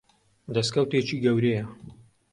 دەستکەوتێکی گەورەیە.